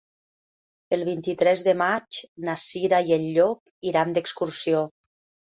El vint-i-tres de maig na Cira i en Llop iran d'excursió.